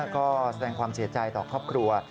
ก็แสดงความเสียใจต่อครอบครัว